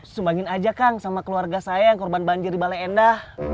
sumbangin aja kang sama keluarga saya yang korban banjir di balai endah